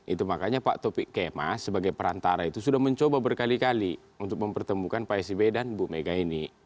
itu makanya pak topik kemas sebagai perantara itu sudah mencoba berkali kali untuk mempertemukan pak sby dan bu mega ini